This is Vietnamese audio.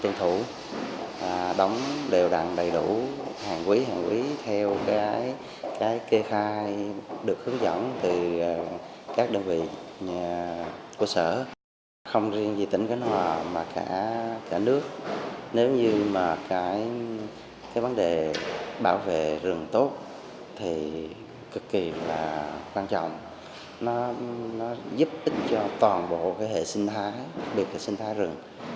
nó giúp ích cho toàn bộ hệ sinh thái đặc biệt là hệ sinh thái rừng